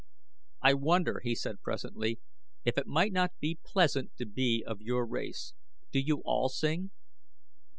"I wonder," he said presently, "if it might not be pleasant to be of your race. Do you all sing?"